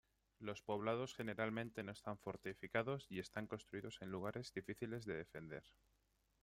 Los poblados generalmente no están fortificados y están construidos en lugares difíciles de defender.